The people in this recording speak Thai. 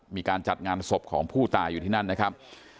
มีการจัดงานศพของผู้ตายอยู่ที่นั่นนะครับ